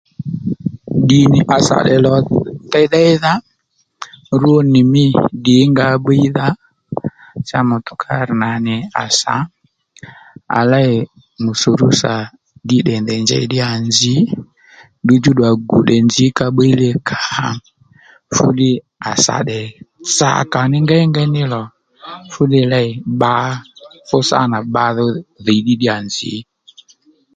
Ddì nì à sà tdè lò tey ddéydha rwo nì mî ddǐngǎ bbiydha cha mùtùkár nà nì à sǎ à lêy mùsùrúsà ddí tdè ndèy njěy ddíyà nzǐ ddudjú ddù à gù tdè nzǐ ka bbíy li kǎ fú ddiy à sà tdè tsàkà ní ngéyngéy ní lò fú ddiy lêy bbǎ fú sâ nà bba dho dhìy ddí ddíyà nzǐ